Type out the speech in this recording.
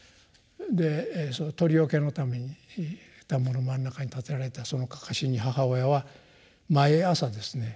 その鳥よけのために田んぼの真ん中に立てられたそのかかしに母親は毎朝ですね